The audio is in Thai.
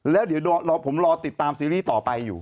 แล้วเดี๋ยวผมรอติดตามซีรีส์ต่อไปอยู่